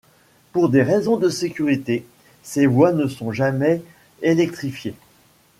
Pour des raisons de sécurité, ces voies ne sont jamais électrifiées.